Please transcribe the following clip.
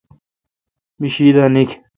می شی دا نیکھ،